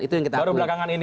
itu yang kita apresiasi